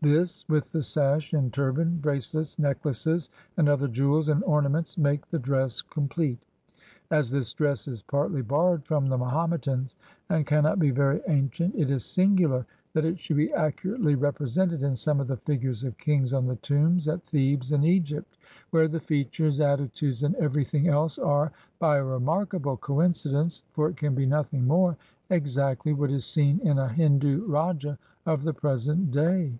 This, with the sash and turban, bracelets, necklaces, and other jewels and orna ments, make the dress complete. As this dress is partly borrowed from the Mahometans, and cannot be very ancient, it is singular that it should be accurately repre sented in some of the figures of kings on the tombs at Thebes in Egypt, where the features, attitudes, and everything else are, by a remarkable coincidence (for 176 INDIAN CUSTOMS AND MANNERS IN 1840 it can be nothing more) exactly what is seen in a Hindu rajah of the present day.